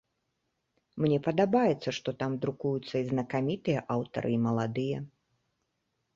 Мне падабаецца, што там друкуюцца і знакамітыя аўтары, і маладыя.